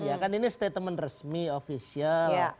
ya kan ini statement resmi ofisial